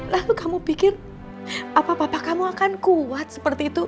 lalu kamu pikir apa apa kamu akan kuat seperti itu